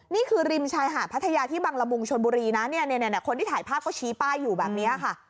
ริมชายหาดพัทยาที่บังละมุงชนบุรีนะเนี่ยคนที่ถ่ายภาพก็ชี้ป้ายอยู่แบบนี้ค่ะ